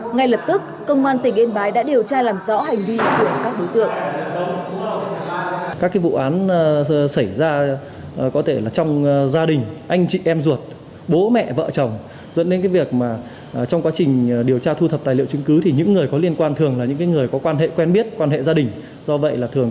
ngay lập tức công an tỉnh yên bái đã điều tra làm rõ hành vi của các đối tượng